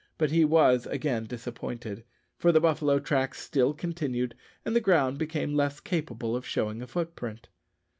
But he was again disappointed, for the buffalo tracks still continued, and the ground became less capable of showing a footprint.